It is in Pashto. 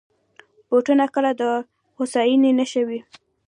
بوټونه کله د هوساینې نښه وي.